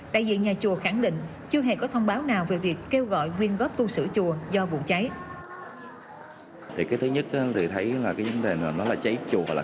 đại diện nhà chùa khẳng định chưa hề có thông báo nào về việc kêu gọi quyên góp tu sửa chùa do vụ cháy